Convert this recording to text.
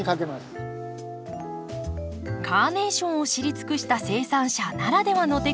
カーネーションを知り尽くした生産者ならではのテクニックです。